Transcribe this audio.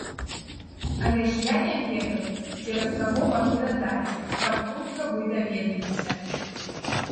Але ж я не ведаў, цераз каго вам перадаць, каб хутка вы даведаліся.